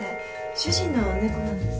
主人の猫なんです。